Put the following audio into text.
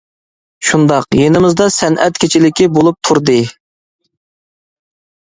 -شۇنداق، يېزىمىزدا سەنئەت كېچىلىكى بولۇپ تۇردى.